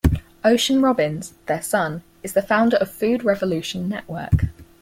Ocean Robbins, their son, is the founder of Food Revolution Network.